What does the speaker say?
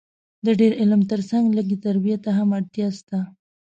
د ډېر علم تر څنګ لږ تربیې ته هم اړتیا سته